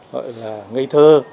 gọi là ngây thơ